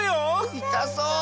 いたそう！